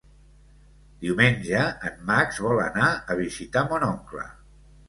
Diumenge en Max vol anar a visitar mon oncle.